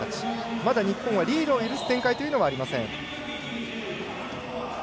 まだ日本はリードを許す展開というのはありません。